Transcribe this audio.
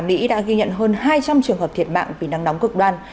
là mỹ đã ghi nhận hơn hai trăm linh trường hợp thiệt mạng vì năng nóng cực đoan